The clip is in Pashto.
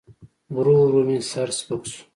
ورو ورو مې سر سپک سو.